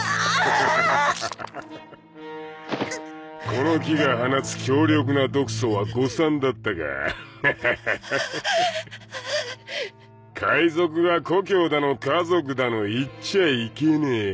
この樹が放つ強力な毒素は誤算だったかフッハハハ海賊が故郷だの家族だの言っちゃいけねえよ